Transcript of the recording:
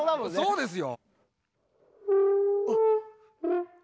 そうですよ。